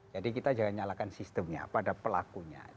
jadi kita jangan nyalakan sistemnya pada pelakunya